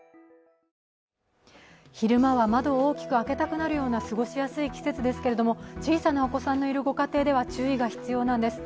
昼間は窓を大きく開けたくなるような過ごしやすい季節ですが、小さなお子さんのいるご家庭では注意が必要なんです。